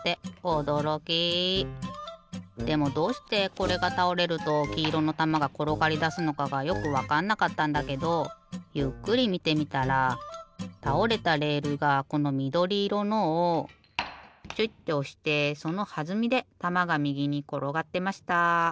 でもどうしてこれがたおれるときいろのたまがころがりだすのかがよくわかんなかったんだけどゆっくりみてみたらたおれたレールがこのみどりいろのをちょいっておしてそのはずみでたまがみぎにころがってました。